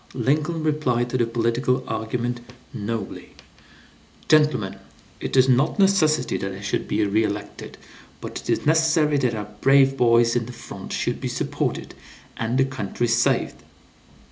Lincoln replied to the political argument nobly: "Gentlemen, it is not necessary that I should be re elected, but it is necessary that our brave boys in the front should be supported, and the country saved."